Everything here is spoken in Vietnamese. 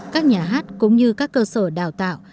các nhà hát cũng như các cơ sở đào tạo